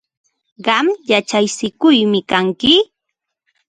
Qam yachatsikuqmi kanki.